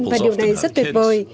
và điều này rất tuyệt vời